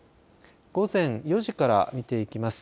午前４時から見ていきます。